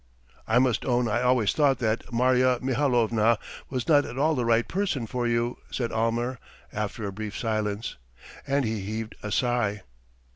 "I must own I always thought that Marya Mihalovna was not at all the right person for you," said Almer after a brief silence, and he heaved a sigh.